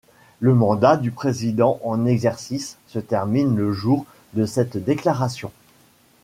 Le mandat du président en exercice se termine le jour de cette déclaration.